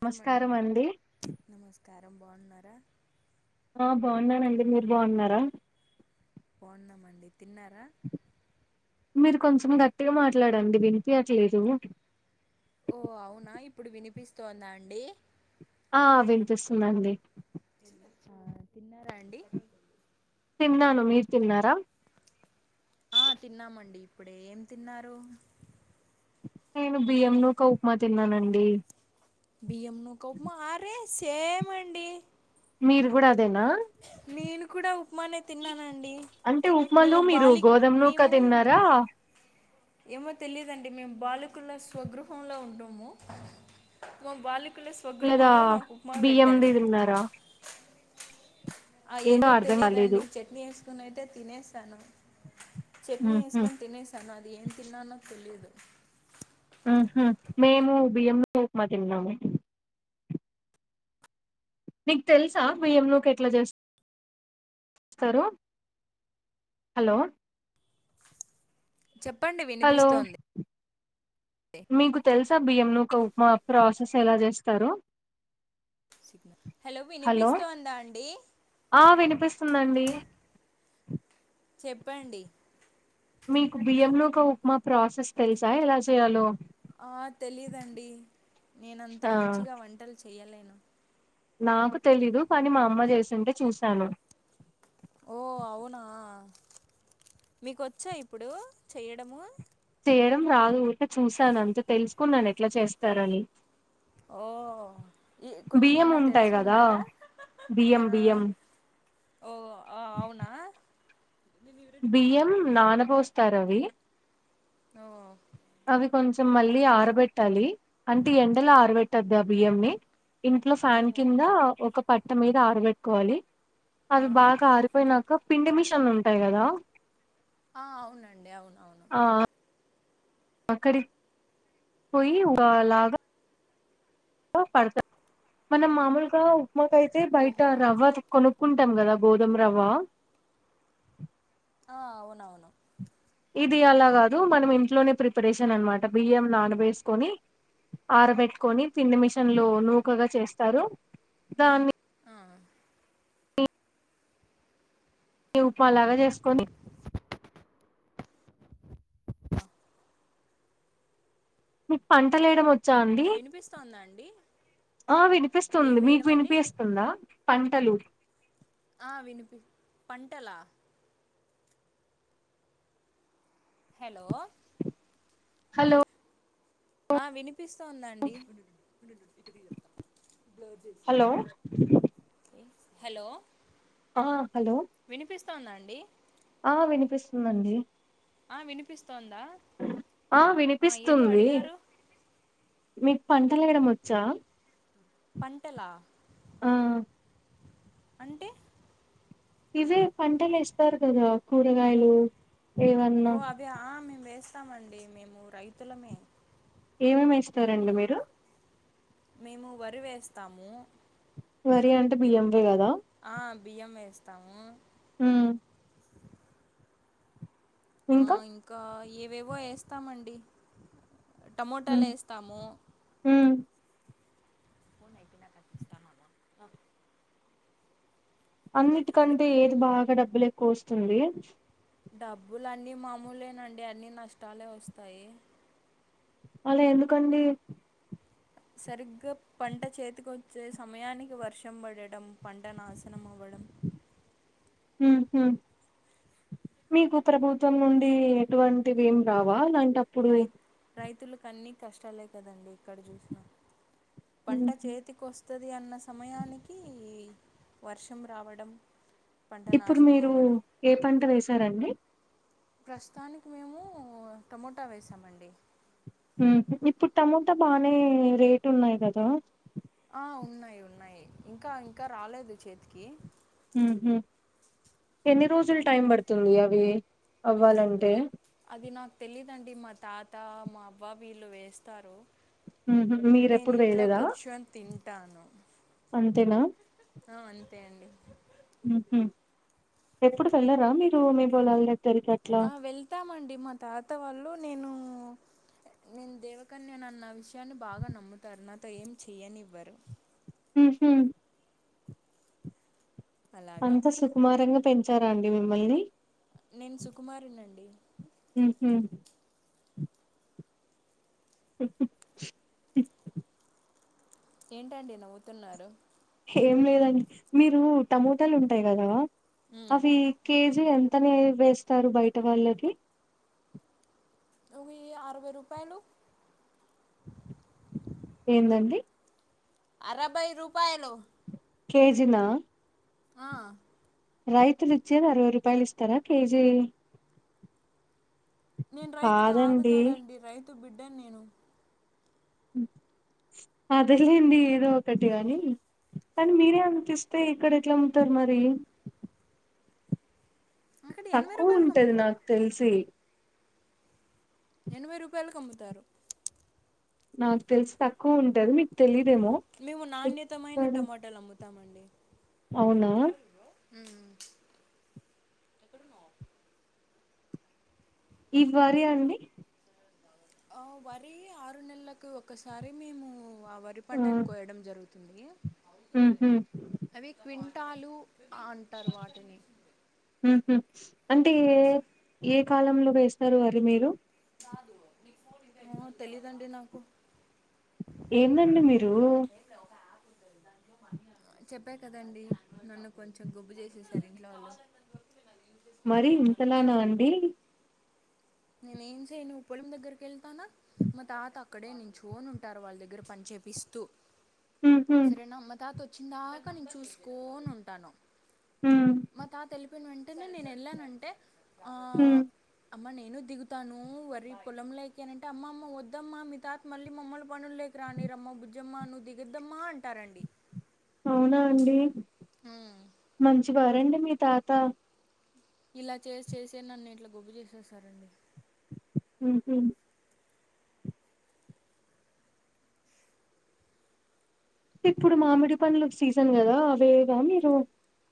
నమస్కారం అండి ఇరం బాగున్నారా ఆ బాగున్నానండి మీరు బాగున్నార బాన్నామండి తిన్నార మీరు కొంచం గట్టిగా మాట్లాడండి వినిపియట్లేదు ఓ అవునా ఇప్పుడు వినిపిస్తోంద అండి ఆ వినిపిస్తుందండి ఆ తిన్నార అండి తిన్నాను మీరు తిన్నార ఆ తిన్నామండి ఇప్పుడే ఏం తిన్నారు నేను బియ్యం నుక ఉప్మా తిన్నానండి బియ్యం నుక ఉప్మా ఆరే సేమండి మీరు కూడ అదేనా నేను కూడా ఉప్మానే తిన్నానండి అంటే మేము ఉప్మలో మీరు బాలి గోధుమ నూక మేము తిన్నార ఏమో తెలిదండి మేము బాలకుల స్వగృహంలో ఉంటాము మా బాల్ వలకుల లేదా స్వగృహంలో మాకు ఉప్మా బియ్యంది పెట్టారు తిన్నారా ఆ ఏదో అర్ధం కాలేదు తెలీదండి చట్నీ వేసుకుని అయితే తినేసను చట్నీ ఉహు వేసుకొని తినేసాను అండి ఏం తిన్నానో తెలియదు ఉహు మేము బియ్యం ఉప్మా తిన్నాము నీకు తెలుసా బియ్యం నుక ఎట్లా చేస్ స్తరు హలో చెప్పండి హలో వినిపిస్తోంది మీకు తెలుసా బియ్యం నూక ఉప్మ [unintelligible] ఎలా చేస్తరో హలో వినిపిస్తోందా అండి ఆ వినిపిస్తుందండి చెప్పండి మీకు బియ్యం నుక ఒక ఉప్మా ప్రాసెస్ తెలుసా ఎలా చేయాలో లేదండి నేను అంత ఆ మంచిగా వంటలు చేయలేను నాకు తెలీదు కానీ మా అమ్మ చేసింటే చూశాను ఓ అవునా మీకు వచ్చా ఇప్పుడు చేయడము చేయడం రాదు ఊరికే చూసాను అంతే తెలుసుకున్నాను ఎట్లా చేస్తారని ఓ ఈ బియ్యం కొంచెమన్నా ఉంటాయి కదా తెలుసుకున్నారా బియ్యం ఆ బియ్యం ఓ అవునా బియ్యం నానబోస్తారు అవి ఓ అవి కొంచెం మళ్ళీ ఆరబెట్టాలి అంటే ఎండలో ఆరబెట్టొద్దు ఆ బియ్యంని ఇంట్లో ఫ్యాన్ ఓ కింద ఒక పట్ట మీద ఆరబెట్టుకోవాలి ఆ అవి బాగా ఆరిపోయినాక పిండి మిషన్ ఉంటాయి గదా ఆ అవునండి అవును అవును అక్కడి పోయి ఊగ లాగా పడతది మనం మామూలుగా ఉప్మాకైతే బయట ఓహో రవ్వ కొను కుంటాం గదా గోధుమరవ్వ ఆ అవునవును ఇది అలా గాదు మనం ఇంట్లోనే ప్రిపరేషన్ అన్నమాట బియ్యం నాన బేసుకొని ఆరబెట్టుకొని పిండి మిషన్ ఆ లో నూకగా చేస్తారు దాన్ని ఆ ఏ ఉప్మా లాగా జేసుకోని మీకు పంటలు యేయడం వ చ్చా అండి వినిపిస్తోందా అండి ఆ ఏం వినిపిస్తుంది మీకు వేయడం అండి వినిపిస్తుందా పంటలు ఆ వినిపి పంటలా హలో హలో ఆ వినిపిస్తోందండి హలో హలో ఆ హలో వస్తుందండి ఆ వినిపిస్తుందండి ఆ వినిపిస్తోందా ఆ ఏదో అడిగారు మీకు పంటలేయడం వచ్చా పంటలా ఆ అంటే ఇవే పంటలు ఎస్తారు గదా కూరగాయలు ఏవన్నా ఓ అవా ఆ మేము వేస్తామండి మేము రైతులమే ఏమేమి ఎస్తారండి మీరు మేము వరి వేస్తాము మరి అంటే బియ్యంవే గదా ఆ బియ్యం వేస్తాము ఉమ్ ఆ ఇంకా ఏవేవో యేస్తామండి ఉమ్ టమోటాలేస్తాము ఉమ్. ఫోన్ అయిపోయినాక అది ఇస్తానన్నావ్ అన్నిటికంటే ఏది బాగా డబ్బులు ఎక్కువ వస్తుంది డబ్బులన్నీ మామూలేనండి అన్నీ నష్టాలే వస్తాయి అలా ఎందుకండి సరిగ్గా పంట చేతికొచ్చే సమయానికి వర్షం పడడం పంట నాశనం అవ్వడం ఉహు మీకు ప్రభుత్వం నుండి ఎటువంటివి ఏం రావా లాం రై రైతులక అన్నీ కష్టాలే కదండి ఏక్కడ చూసినా పంట ఉమ్. చేతికోస్ స్తది అన్న సమయానికి వర్షం రావడం పంట ఇప్పుడు నాశనం మీరు అవ్వడం ఏ పంట వేసారండి ప్రస్తుతానికి మేము టమోటా వేసామండి ఉమ్ ఇప్పుడు టమోటా బానే రేటున్నాయి కదా ఆ ఉన్నాయి ఉన్నాయి ఇంకా ఇంకా రాలేదు చేతికి ఉహు ఎన్ని రోజులు టైం పడుతుంది అవి అవ్వాలంటే అది నాకు తెలిదండి మా తాత మా అబ్బా వీళ్ళు వేస్తారు ఊహూ మీరెప్పుడు నేనింట్లో వేయలేదా? కూర్చొని తింటాను తేన ఆ అంతే అండి ఉహు ఎప్పుడు వెళ్లారా మీరు మీ పొలాల్ ఆ వెళ్తామండి మా తాత వాళ్ళు నేను [inaudible] నేను దేవకన్యన అన్న విషయాన్ని బాగా నమ్ముతారు నాతో ఏం చెయ్యనివ్వరు ఉహు అలాగా అంతా సుకుమారంగా పెంచారా అండి మిమ్మల్ని నేను సుకుమారినండి ఉహు [inaudible] ఏంటండి నవ్వుతున్నారు ఏం లేదండి మీరు టమోటాలు ఉంటాయి కదా ఉమ్ అవి కేజ్ తే ఎంతనే వేస్తారు బయట వాళ్ళకి అవి అరవై రూపాయలు ఏందండి అరభై రూపాయలు కేజిన ఆ రైతులు ఇచ్చేది అరవై రూపాయలు ఇస్తారా కేజీ నేను రైతుకదు కాదండి. కదండి రైతు బిడ్డను నేను అదలేడి ఏదో ఒకటి గాని కానీ మీరే అనిపిస్తే ఇక్కడ ఎట్లా ఉంటరు మరి అక్కడ ఎనభై రూపాయలకి తక్కుఉంటది అమ్ముతారు నాక్ తెలిసి ఎనభై రూపాయలకి అమ్ముతారు నాకు తెలిసు తక్కువ ఉంటది మీకు తెలిద్ మేము నాణ్యతమైన టమాటాలు అమ్ముతామండి అవునా ఉహు ఈధ్వర అండి ఆ వరి ఆరు నెలలకు ఒకసారి మేము ఆ వరి పంటను కోయడం జరుగుతుంది తిండి హు హూ పట్టాలు అంటరు వాటిని ఉమ్ హు అంటే ఏ ఏ కాలంలో వేస్తారు అరి మీరు ఏమో తెలీయదండి నాకు ఏందండి మీరు చెప్పా కదండి నన్ను కొంచెం గొబ్బు చేసేసారు ఇంట్లో వాళ్ళు మరి ఇంతలానా అండి నేనే ఏం చేయను పొలం దగ్గరికి యెళ్తానా మా తాత అక్కడే నిచ్చొని ఉంటారు వాళ్ళ దగ్గర పంచే పిస్తూ ఉహు సరేనా మా తాత వచ్చిన దాకా నేను చూసుకోని ఉంటాను ఉ మా తాత యెళ్ళిపోయిన వెంటనే నేను యెళ్ళానంటే ఉమ్ అమ్మ నేను దిగుతాను వరి పొలంలోకి అని అంటే అమ్మ అమ్మ వద్దమ్మా మీ తాత మళ్ళీ మమ్మల్ల్ని పనుల్లోకి రానియ రమ్మ బుజ్జమ్మా నువ్ దిగద్దమ్మా అంటారండి అవునా అండి ఉమ్, మంచివారండి మీ తాత ఇలా చేసి చేసే నన్ను ఇట్లా గొబ్బు చేసేసారండి ఉమ్ హు ఇప్పుడు మామిడి పండ్ల సీజన్ గదా అవేవ మీరు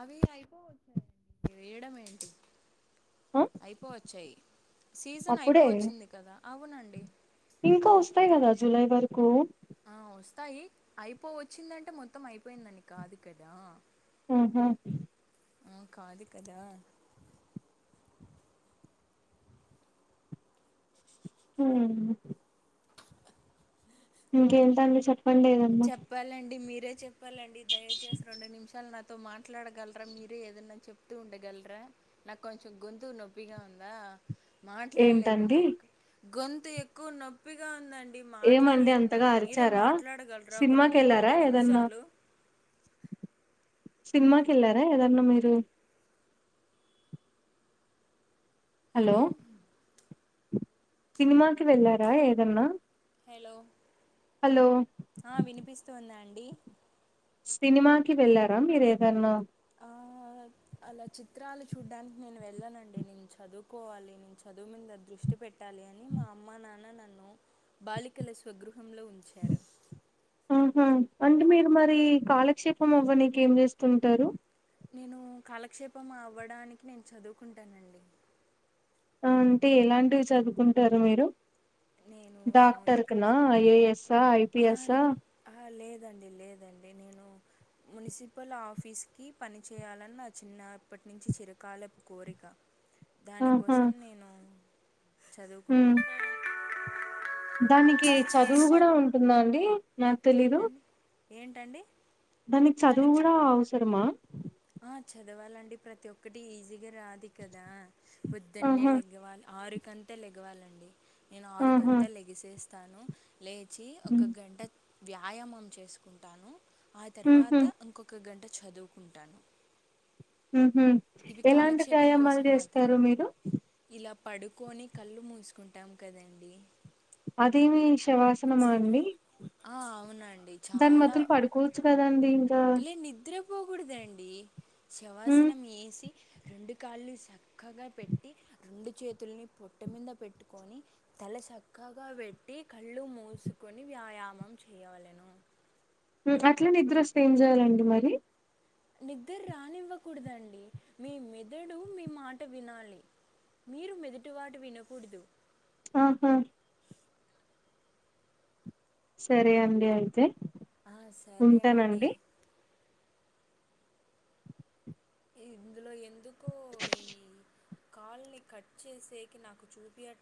అవి అయిపోవచ్చాయండి వేయడం ఏంటి ఆ అయిపోవచ్చాయి సీజన్ అప్పుడే అయిపోవచ్చింది కదా అవునండి ఇంకా వస్తాయి గదా జూలై వరకు ఆ, వస్తాయి అయిపో వచ్చిందంటే మొత్తం అయిపోయిందని కాదు కదా ఆహా ఆ కాదు కదా ఉమ్ ఇంకేంటండి వి చెప్పాలండి మీ రే చెప్పాలండి దయచేసి రెండు నిమిషాలు నాతో మాట్లాడగలరా మీరే ఏదన్నా చెప్తూ ఉండగలరా నాకు కొంచెం గొంతు నొప్పిగా ఉందా ఏంటండి మాట్లాడలేకున్నాయి ఎక్కువ గొంతు ఎక్కువ నొప్పిగా ఉందం డి మాట్లాడలేకున్నాను మీరే మాట్లాడగలగు సినిమాకెళ్ళారా ఏదన్నా సినిమాకెళ్ళారా ఏదన్నా మీరు హలో సినిమాకి వెళ్ళారా ఏదన్నా హలో హలో ఆ వినిపిస్తుందా అండి సినిమాకి వెళ్ళారా మీరు ఏదన్నా ఆ, [inaudible] అలా చిత్రాలు చూడ్డానికి నేను వెళ్ళనండి నేను చదువుకోవాలి నేను చదువు మీద దృష్టి పెట్ట లే అని మా అమ్మ నాన్న నన్ను బాలికల స్వగృహంలో ఉంచారు ఆహా అంటే మీరు మరి కాలక్షేపం అవ్వనీకి ఏం జేస్తుంటారు నేను కాలక్షేపం అవ్వడానికి నేను చదువుకుంటానండి ఆ అంటే ఎలాంటివి చదువుకుంటారు మీరు నేను డాక్టర్ కన్ ఆ ఏ ఎస్ ఆ ఐ పి ఎస్ ఆ ఆ, లేదండి లేదండి నేను మున్సిపల్ ఆఫీస్కి పనిచేయాలన్న నా చిన్నప్పటినుంచి చిరకాలపు కోరిక ఆహా దానికోసం నేను ఉమ్ చదువుకుంటాను దానికి చదువు కూడా ఉంటుందా అండి నాకు తెలీదు ఏంటండి ఏంటండి దానికి చదువు కూడా అవసరమా ఆ చదవాలండి ప్రతి ఒక్కటి ఈజీగా రాదు కదా పొద్దున్నే ఆహా లెగవాలి ఆరు కంట లేగవాలండి నేను ఆహా ఆరుగంటలకి లేగిసేస్తాను లేచి ఉమ్ ఒక గంట వ్యాయామం చేసుకుంటాను ఆ హుహు. తర్వాత ఉంకొక గంట చదువుకుంటాను ఉహుం ఇవి ఎలాంటి కాలక్షేపం వ్యాయామాలు కోసం చేస్తారు మాత్రమే మీరు ఇలా పడుకొని కళ్ళు మూసుకుంటాము కదండి అదేమి శవాసనమా అండి ఆ అవునండి దాని చాలా బదులు పడుకోవచ్చు కదండి లే నిద్రపోకూడదండి హ్మ్. శవాసనం వేసి రెండు కాళ్ళు చక్కగా పెట్టి రెండు చేతుల్ని పొట్ట మీద పెట్టుకొని తల చక్కగా పెట్టి కళ్ళు మూసుకొని వ్యాయామం చేయవలేను ఉమ్ అట్ల నిద్ర వస్తే ఏం చేయాలండి మరి నిద్దర రానివ్వకూడదండి మీ మెదడు మీ మాట వినాలి మీరు మెదటి వాటు వినకూడదు ఆహా సరే అండి అయితే ఆ సరే అండి ఉంటానండి. ఇందులో ఎందుకు కాల్ని కట్ చేసేకి నాకు చూపియట్లే